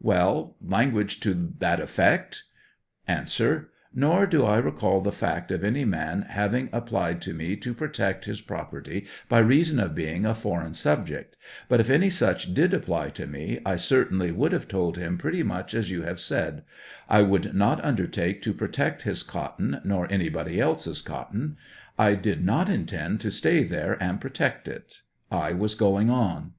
Well, language to that effect ? A. Nor do 1 recall the fact of any man having ap plied to me to protect his property by reason of being a foreign subject; but if any such did apply to me, I certainly would have told him pretty much as you have said ; I would not undertake to protect his cotton, nor anybody else's cotton ; 1 did not intend to stay there and protect it ; I was going on.